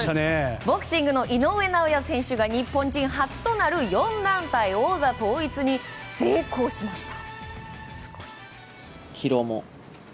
ボクシングの井上尚弥選手が日本人初となる４団体王座統一に成功しました。